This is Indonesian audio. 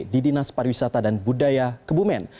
di dinas pariwisata dan budaya kebumen